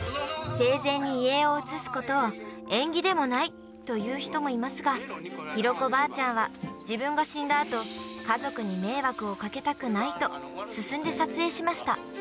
生前に遺影を写すことを、縁起でもないという人もいますが、弘子ばあちゃんは、自分が死んだあと、家族に迷惑をかけたくないと、進んで撮影しました。